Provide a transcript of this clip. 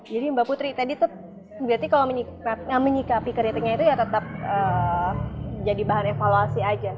jadi mbak putri tadi tuh berarti kalau menyikapi kritiknya itu ya tetap jadi bahan evaluasi aja